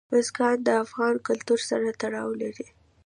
بزګان د افغان کلتور سره تړاو لري.